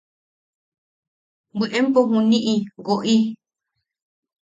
¡Bwe empo juniʼi woʼi!